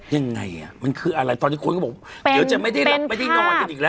ยังไงอ่ะมันคืออะไรตอนนี้คุณก็บอกเดี๋ยวจะไม่ได้นอนกันอีกแล้ว